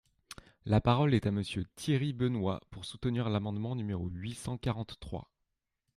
La parole est à Monsieur Thierry Benoit, pour soutenir l’amendement numéro huit cent quarante-trois.